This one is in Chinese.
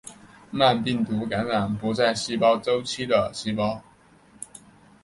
慢病毒感染不在细胞周期的细胞。